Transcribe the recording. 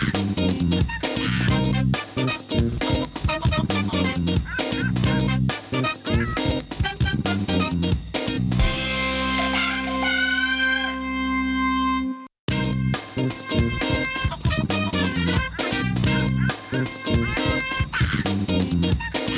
โปรดติดตามตอนต่อไป